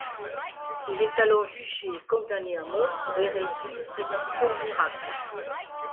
Il est alors jugé et condamné à mort pour hérésie et prétention aux miracles.